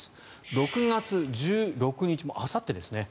６月１６日もうあさってですね。